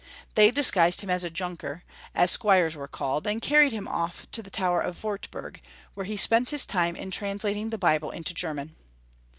They disguised him as a Junker, as squires were called, and carried him off to the Tower of Wartburg, where he spent his time in translating the Bible into German.